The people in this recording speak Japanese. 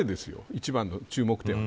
一番の注目点は。